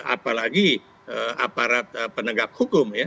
apalagi aparat penegak hukum ya